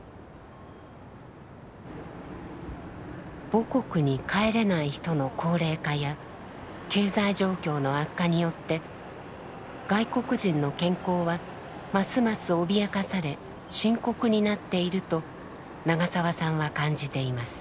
母国に帰れない人の高齢化や経済状況の悪化によって外国人の健康はますます脅かされ深刻になっていると長澤さんは感じています。